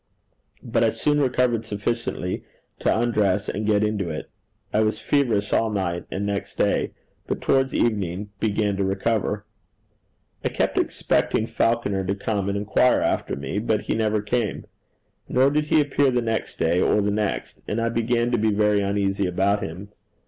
But I soon recovered sufficiently to undress and get into it. I was feverish all night and next day, but towards evening begun to recover. I kept expecting Falconer to come and inquire after me; but he never came. Nor did he appear the next day or the next, and I began to be very uneasy about him.